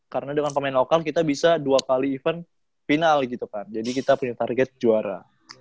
karena dengan pemain lokal kita bisa dua kali event final gitu kan jadi kita punya target juara